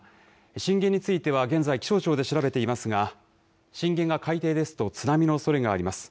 震源については、現在、気象庁で調べていますが、震源が海底ですと、津波のおそれがあります。